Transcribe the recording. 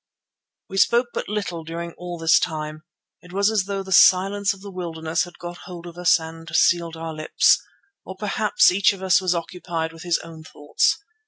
We spoke but little during all this time. It was as though the silence of the wilderness had got hold of us and sealed our lips. Or perhaps each of us was occupied with his own thoughts.